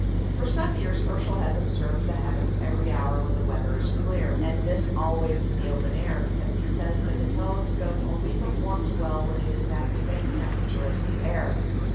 For some years Herschel has observed the heavens every hour when the weather is clear, and this always in the open air, because he says that the telescope only performs well when it is at the same temperature as the air.